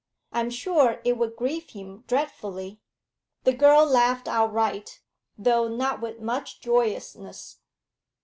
I am sure it would grieve him dreadfully.' The girl laughed outright, though not with much joyousness.